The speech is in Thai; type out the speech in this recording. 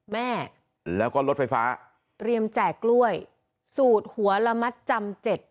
แม่แล้วก็รถไฟฟ้าเตรียมแจกกล้วยสูตรหัวละมัดจำเจ็ด